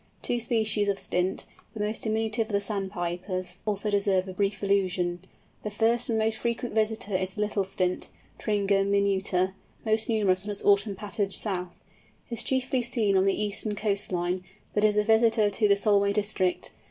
Two species of Stint—the most diminutive of the Sandpipers—also deserve a brief allusion. The first and most frequent visitor is the Little Stint (Tringa minuta), most numerous on its autumn passage south. It is chiefly seen on the eastern coast line, but is a visitor to the Solway district.